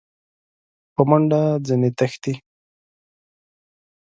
په منډه ځني تښتي !